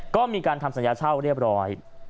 ก็มีการทำสัญญาเช่าเรียบร้อย